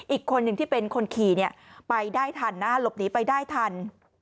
อีกคนหนึ่งที่เป็นคนขี่ไปได้ทันนะหลบหนีไปได้ทัน